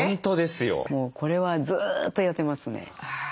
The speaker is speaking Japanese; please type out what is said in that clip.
もうこれはずっとやってますね。